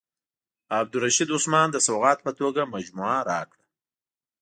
عبدالرشید عثمان د سوغات په توګه مجموعه راکړه.